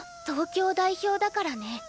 東京代表だからね。